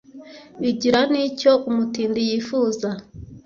igira n’ icyo umutindi yifuza,